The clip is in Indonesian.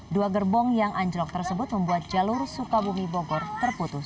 dua gerbong yang anjlok tersebut membuat jalur sukabumi bogor terputus